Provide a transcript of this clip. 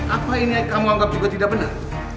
apa ini yang kamu anggap juga tidak benar